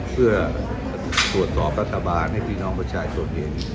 เพื่อสวดสอบรัฐบาลให้พี่น้องพ่อชายส่วนดิน